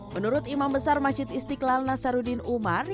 menurut imam besar masjid istiqlal nasaruddin umar